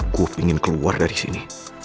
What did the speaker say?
gue pengen keluar dari sini